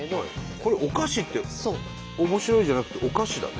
これ「お菓子」って「面白い」じゃなくて「お菓子」だね。